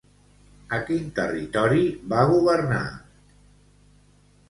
A quin territori va governar?